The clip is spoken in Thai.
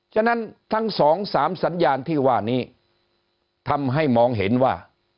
จนทั้ง๒๓สัญญาณที่ว่านี้ทำให้มองเห็นว่า